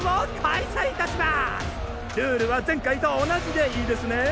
ルールは前回と同じでいいですね